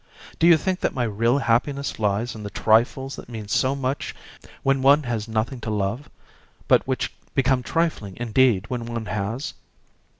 Do you think that my real happiness lies in the trifles that mean so much when one has nothing to love, but which become trifling indeed when one has?